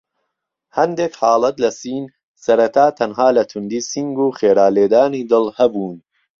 هەندێک حاڵەت لە سین سەرەتا تەنها لە توندی سینگ و خێرا لێدانی دڵ هەبوون.